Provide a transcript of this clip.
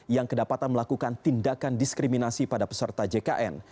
yang kedapatan melakukan tindakan diskriminasi pada peserta jkn